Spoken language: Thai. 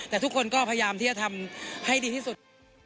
แต่ทุกคนก็พยายามที่จะทำให้ดีที่สุด